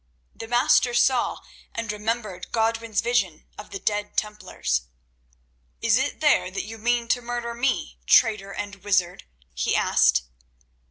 The Master saw and remembered Godwin's vision of the dead Templars. "Is it there that you mean to murder me, traitor and wizard?" he asked.